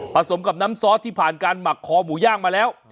สมกับน้ำซอสที่ผ่านการหมักคอหมูย่างมาแล้ว